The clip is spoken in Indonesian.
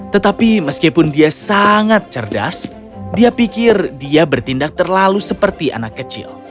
tetapi meskipun dia sangat cerdas dia pikir dia bertindak terlalu seperti anak kecil